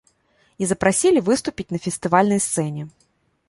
І запрасілі выступіць на фестывальнай сцэне.